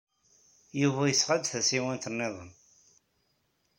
Yuba yesɣa-d tasiwant niḍen.